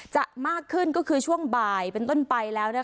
จะมากขึ้นก็คือช่วงบ่ายเป็นต้นไปแล้ว